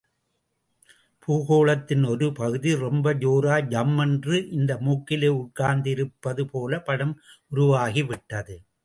பூகோளத்தின் ஒரு பகுதி ரொம்ப ஜோராய் ஜம்மென்று இந்த மூக்கிலே உட்கார்ந்து இருப்பது போலப் படம் உருவாகி விட்டது.